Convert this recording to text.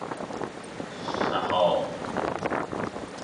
شهاب